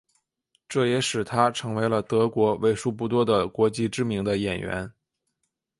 这也使他成为了德国为数不多的国际知名的演员。